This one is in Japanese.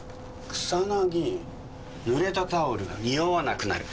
草ぬれたタオルが臭わなくなる。